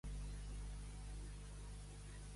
Aigua de trons, ací no res i allí poc.